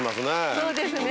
そうですね。